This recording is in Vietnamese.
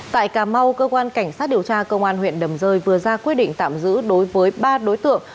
tại cà mau cơ quan cảnh sát điều tra công an huyện đầm rơi vừa ra quyết định tạm giữ đối với ba đối tượng